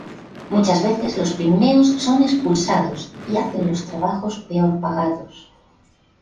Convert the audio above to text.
Muchas veces los pigmeos son expulsados y hacen los trabajos peor pagados.